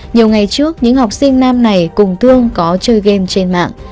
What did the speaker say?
nhiều ngày trước những học sinh nam này cùng thương có chơi game trên mạng